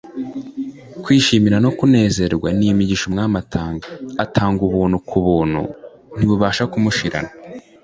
, kwishimira no kunezezwa n’imigisha Umwami atanga. Atanga ubuntu ku buntu. Ntibubasha kumushirana